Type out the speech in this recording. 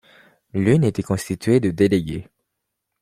L’une était constituée de délégués.